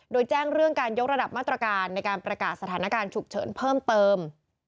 โดยแจ้งเรื่องการยกระดับมาตรการในการประกาศสถานการณ์ฉุกเฉินเพิ่มเติม